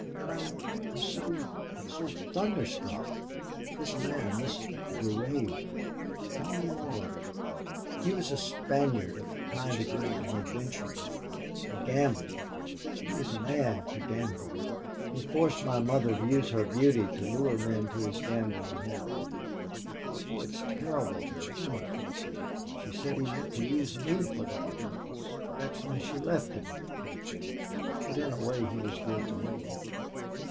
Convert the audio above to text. But I'm so so thunderstruck.... This man this Durade tell me more of him." "He was a Spaniard of high degree, an adventurer, a gambler. He was mad to gamble. He forced my mother to use her beauty to lure men to his gambling hell.... Oh, it's terrible to remember. She said he meant to use me for that purpose. That's why she left him. But in a way he was good to me.